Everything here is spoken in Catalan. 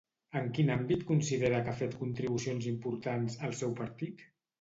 En quin àmbit considera que ha fet contribucions importants, el seu partit?